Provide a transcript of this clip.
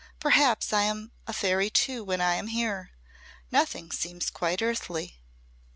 "Perhaps I am a fairy too when I am here. Nothing seems quite earthly."